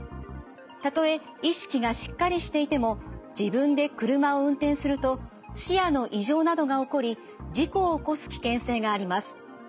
たとえ意識がしっかりしていても自分で車を運転すると視野の異常などが起こり事故を起こす危険性があります。